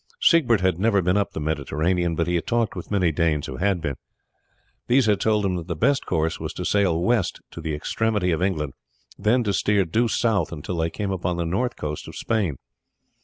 Siegbert had never been up the Mediterranean, but he had talked with many Danes who had been. These had told him that the best course was to sail west to the extremity of England, then to steer due south until they came upon the north coast of Spain.